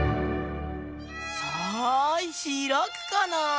さあひらくかなぁ？